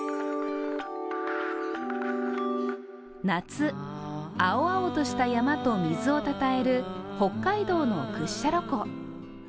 夏、青々とした山と水をたたえる北海道の屈斜路湖。